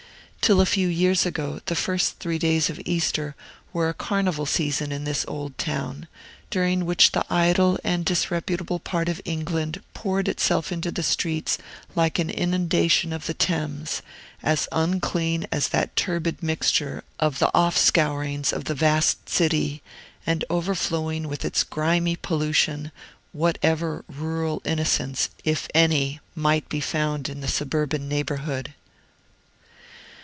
Till a few years ago, the first three days of Easter were a carnival season in this old town, during which the idle and disreputable part of London poured itself into the streets like an inundation of the Thames, as unclean as that turbid mixture of the offscourings of the vast city, and overflowing with its grimy pollution whatever rural innocence, if any, might be found in the suburban neighborhood.